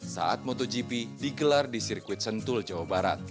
saat motogp digelar di sirkuit sentul jawa barat